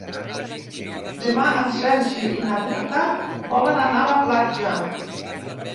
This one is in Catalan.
Demà en Sergi i na Berta volen anar a la platja.